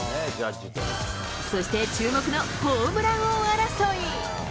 そして注目のホームラン王争い。